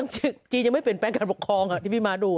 จีนยังไม่เปลี่ยนแปลงการปกครองที่พี่ม้าดู